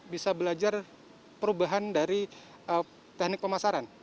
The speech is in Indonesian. bisa belajar perubahan dari teknik pemasaran